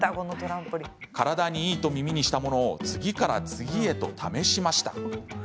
体にいいと耳にしたものを次から次へと試しました。